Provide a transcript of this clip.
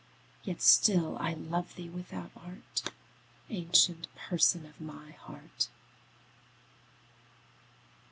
Yet still I love thee without art, Ancient Person of my heart.